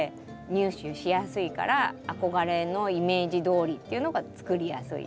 入手しやすいから憧れのイメージどおりっていうのがつくりやすい。